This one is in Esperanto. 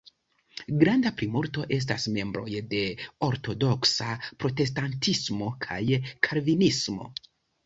Granda plimulto estas membroj de ortodoksa protestantismo kaj kalvinismo.